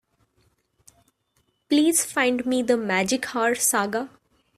Please find me the Magic Hour saga.